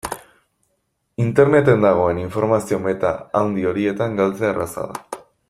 Interneten dagoen informazio-meta handi horietan galtzea erraza da.